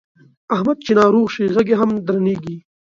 احمد چې ناروغ شي غږ یې هم درنېږي.